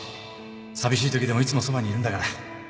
寂しいときでもいつもそばにいるんだから